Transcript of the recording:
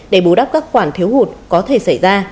để bù đắp các khoản thiếu hụt có thể xảy ra